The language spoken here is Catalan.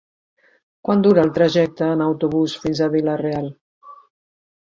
Quant dura el trajecte en autobús fins a Vila-real?